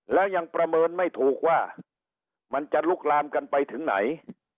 แล้วยังประเมินไม่ถูกว่ามันจะลุกลามกันไปถึงไหน